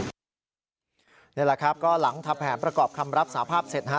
นี่แหละครับก็หลังทำแผนประกอบคำรับสาภาพเสร็จฮะ